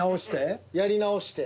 やり直して？